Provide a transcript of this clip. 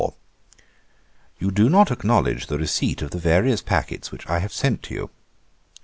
'You do not acknowledge the receipt of the various packets which I have sent to you.